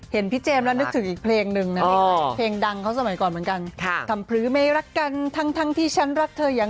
เห็นหน้าปุ๊บไม่ต้องจ่ำพื้นเลยเห็นจึงกระหลักเลย